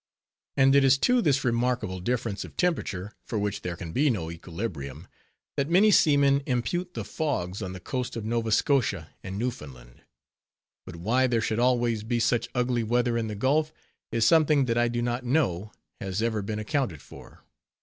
And it is to this remarkable difference of temperature, for which there can be no equilibrium, that many seamen impute the fogs on the coast of Nova Scotia and Newfoundland; but why there should always be such ugly weather in the Gulf, is something that I do not know has ever been accounted for.